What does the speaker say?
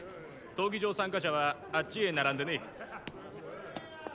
闘技場参加者はあっちへ並んでね。